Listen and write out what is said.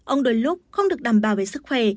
ông đôi lúc không được đảm bảo về sức khỏe